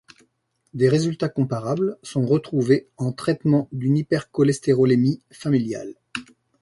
Des résultats comparables sont retrouvées en traitement d'une hypercholestérolémie familiale.